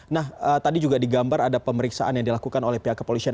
nah tadi juga digambar ada pemeriksaan yang dilakukan oleh pihak kepolisian